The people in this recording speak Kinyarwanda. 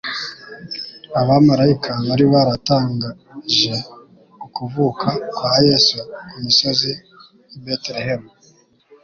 Abamaraika bari baratangaje ukuvuka kwa Yesu ku misozi y'i Betelehemu.